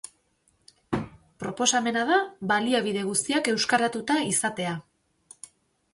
Proposamena da baliabide guztiak euskaratuta izatea.